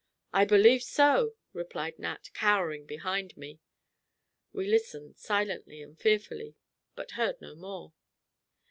"I believe so," replied Nat, cowering behind me. We listened silently and fearfully, but heard no more.